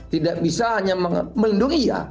tidak bisa hanya melindungi ya